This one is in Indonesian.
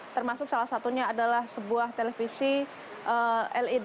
termasuk salah satunya adalah sebuah televisi led